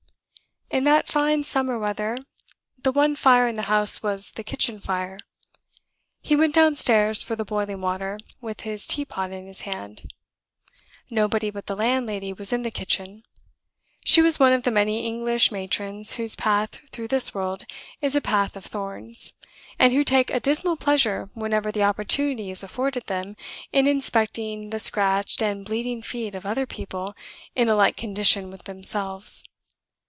In that fine summer weather, the one fire in the house was the kitchen fire. He went downstairs for the boiling water, with his teapot in his hand. Nobody but the landlady was in the kitchen. She was one of the many English matrons whose path through this world is a path of thorns; and who take a dismal pleasure, whenever the opportunity is afforded them, in inspecting the scratched and bleeding feet of other people in a like condition with themselves.